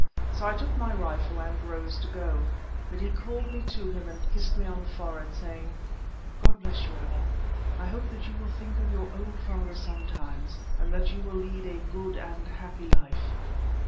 So I took my rifle and rose to go. But he called me to him and kissed me on the forehead, saying, "God bless you, Allan! I hope that you will think of your old father sometimes, and that you will lead a good and happy life."